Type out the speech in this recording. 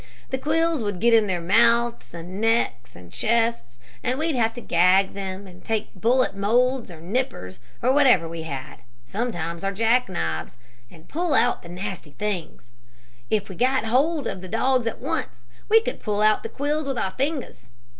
The quills would get in their mouths and necks and chests, and we'd have to gag them and take bullet molds or nippers, or whatever we had, sometimes our jack knives, and pull out the nasty things. If we got hold of the dogs at once, we could pull out the quills with our fingers.